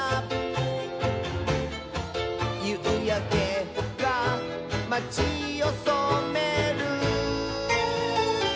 「ゆうやけがまちをそめる」